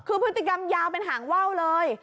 คือพฤติกรรมยาวเป็นหางว่าวเลย